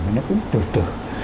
nó cũng tự tử